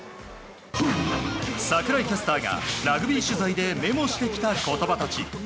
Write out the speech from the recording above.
櫻井キャスターがラグビー取材でメモしてきたことばたち。